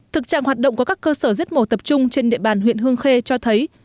thực trạng hoạt động của các cơ sở giết mổ tập trung trên địa bàn huyện hương khê cho thấy